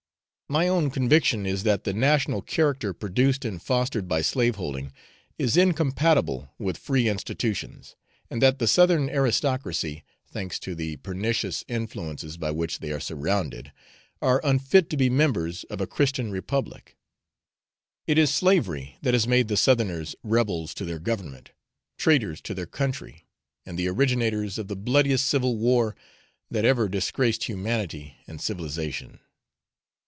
My own conviction is that the national character produced and fostered by slaveholding is incompatible with free institutions, and that the Southern aristocracy, thanks to the pernicious influences by which they are surrounded, are unfit to be members of a Christian republic. It is slavery that has made the Southerners rebels to their government, traitors to their country, and the originators of the bloodiest civil war that ever disgraced humanity and civilisation.